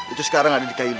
itu sekarang ada di kainnya